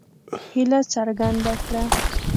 هیله څرګنده کړه.